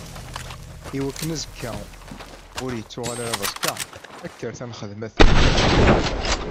I wakken azekka ur ittuɣal ara d aẓekka, kkret ad nxedmet!